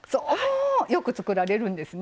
よく作られるんですね。